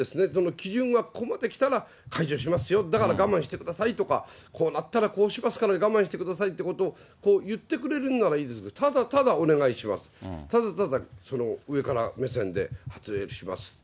基準がここまで来たら解除しますよ、だから我慢してくださいとか、こうなったらこうしますからね、我慢してくださいということを言ってくれるんならいいですけど、ただただお願いします、ただただ上から目線で、発令しますって。